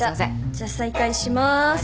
じゃ再開しまーす。